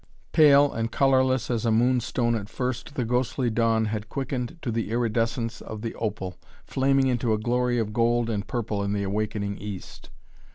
Pale and colorless as a moonstone at first the ghostly dawn had quickened to the iridescence of the opal, flaming into a glory of gold and purple in the awakening east.